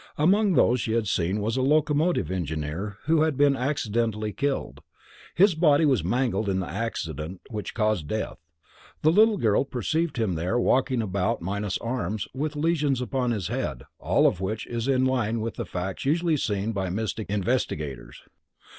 Among those she had seen was a locomotive engineer who had been accidentally killed. His body was mangled in the accident which caused death. The little girl perceived him there walking about minus arms, and with lesions upon his head, all of which is in line with facts usually seen by mystic investigators.